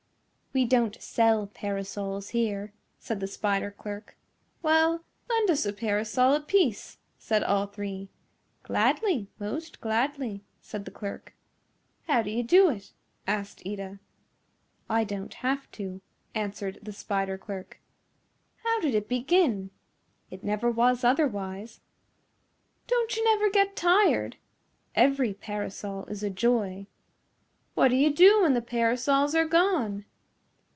"We don't sell parasols here," said the spider clerk. "Well, lend us a parasol apiece," said all three. "Gladly, most gladly," said the clerk. "How do you do it?" asked Eeta. "I don't have to," answered the spider clerk. "How did it begin?" "It never was otherwise." "Don't you never get tired?" "Every parasol is a joy." "What do you do when the parasols are gone?"